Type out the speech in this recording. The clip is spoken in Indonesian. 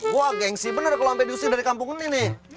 gua gengsi bener kalo sampe diusir dari kampung ini nih